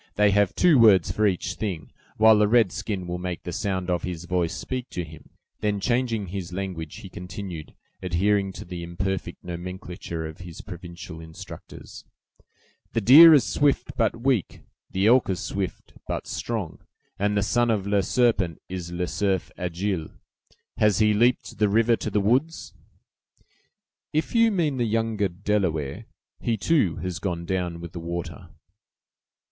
they have two words for each thing, while a red skin will make the sound of his voice speak for him." Then, changing his language, he continued, adhering to the imperfect nomenclature of his provincial instructors. "The deer is swift, but weak; the elk is swift, but strong; and the son of 'Le Serpent' is 'Le Cerf Agile.' Has he leaped the river to the woods?" "If you mean the younger Delaware, he, too, has gone down with the water."